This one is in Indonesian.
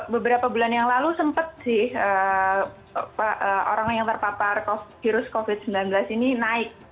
beberapa bulan yang lalu sempat sih orang yang terpapar virus covid sembilan belas ini naik